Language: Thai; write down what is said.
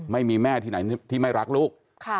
ไม่มีแม่ที่ไหนที่ไม่รักลูก